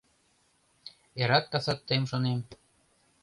Эрат-касат тыйым шонем